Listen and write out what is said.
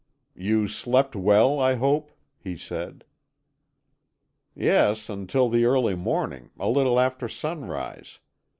"You slept well, I hope," he said. "Yes, until the early morning, a little after sunrise.